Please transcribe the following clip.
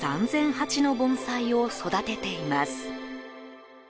鉢の盆栽を育てています。